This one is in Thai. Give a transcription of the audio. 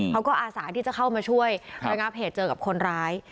อาสาที่จะเข้ามาช่วยระงับเหตุเจอกับคนร้าย